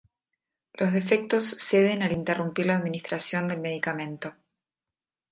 Los defectos ceden al interrumpir la administración del medicamento.